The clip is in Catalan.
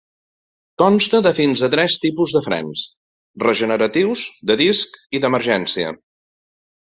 Consta de fins a tres tipus de frens: regeneratius, de disc i d'emergència.